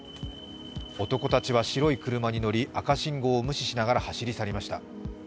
男たちは白い車に乗り、赤信号を無視しながら走り去りました。